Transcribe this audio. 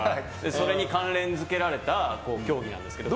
それに関連付けられた競技なんですけど。